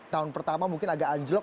tahun pertama mungkin agak anjlok